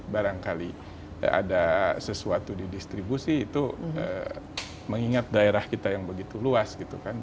barangkali ada sesuatu di distribusi itu mengingat daerah kita yang begitu luas gitu kan